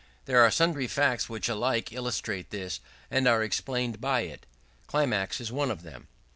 There are sundry facts which alike illustrate this, and are explained by it. Climax is one of them.